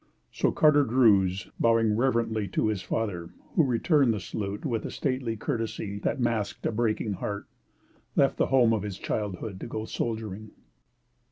So Carter Druse, bowing reverently to his father, who returned the salute with a stately courtesy which masked a breaking heart, left the home of his childhood to go soldiering.